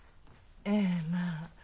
ええまあ。